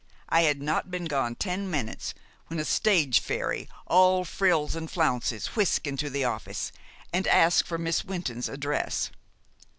I had not been gone ten minutes when a stage fairy, all frills and flounces, whisked into the office and asked for Miss Wynton's address.